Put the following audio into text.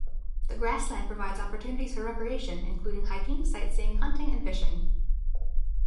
The Grassland provides opportunities for recreation, including hiking, sightseeing, hunting, and fishing.